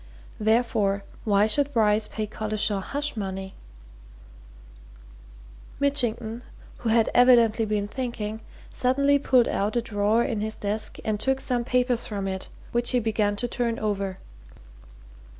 Therefore, why should Bryce pay Collishaw hush money?" Mitchington, who had evidently been thinking, suddenly pulled out a drawer in his desk and took some papers from it which he began to turn over.